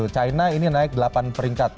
china ini naik delapan peringkat